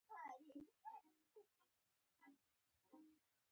پروفیسر ویلیم ایسټرلي د مرستو دوه ډلې یادې کړې.